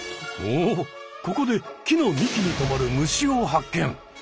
おおここで木の幹に止まる虫を発見！